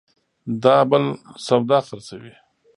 دا بل سودا خرڅوي